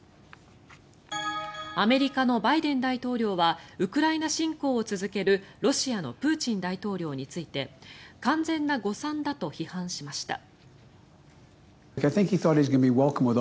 アメリカのバイデン大統領はウクライナ侵攻を続けるロシアのプーチン大統領について完全な誤算だと批判しました。